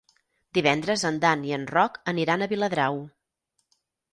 Divendres en Dan i en Roc aniran a Viladrau.